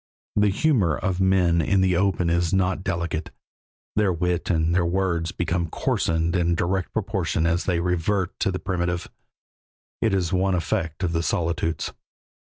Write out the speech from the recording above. The humor of men in the open is not delicate; their wit and their words become coarsened in direct proportion as they revert to the primitive; it is one effect of the solitudes.